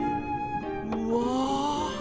うわ！